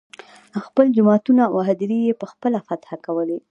خپل جوماتونه او هدیرې یې په خپله فتحه کولې.